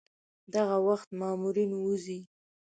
دغه وخت مامورین وځي.